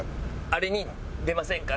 「あれに出ませんか？